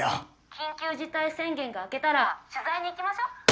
緊急事態宣言が明けたら取材に行きましょう。